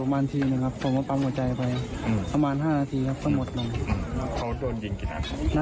ไม่แน่ใจครับรู้แต่ว่าเค้ามันมีเรื่องกันก่อน